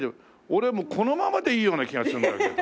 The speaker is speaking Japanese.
俺このままでいいような気がするんだけど。